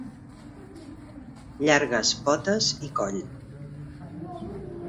Llargues potes i coll.